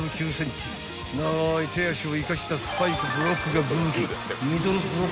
［長い手足を生かしたスパイクブロックが武器］